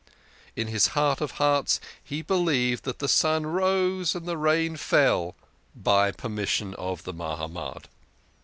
In his heart of hearts he believed that the sun rose and the rain fell " by permission of the Ma hamad."